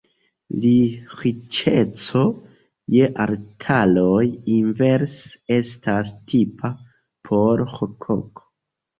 La riĉeco je altaroj inverse estas tipa por rokoko.